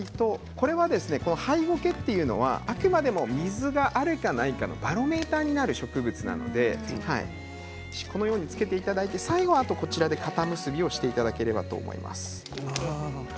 これはハイゴケというのはあくまでも水があるかないかのバロメーターになる植物なのでこのようにつけていただいて最後こちらで固結びをしていただければいいと思います。